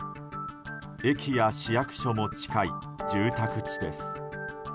駅や市役所も近い住宅地です。